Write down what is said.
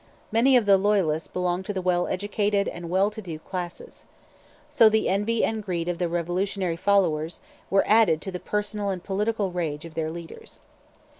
Many of the Loyalists belonged to the well educated and well to do classes. So the envy and greed of the revolutionary followers were added to the personal and political rage of their leaders.